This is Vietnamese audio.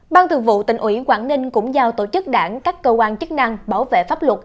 bang thượng vụ tỉnh ủy quảng đình cũng giao tổ chức đảng các cơ quan chức năng bảo vệ pháp luật